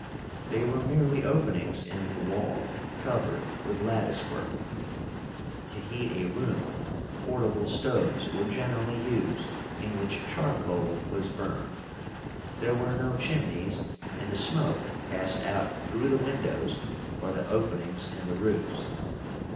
They were merely openings in the wall, covered with lattice work. To heat a room, portable stoves were generally used, in which charcoal was burned. There were no chimneys, and the smoke passed out through the windows or the openings in the roofs.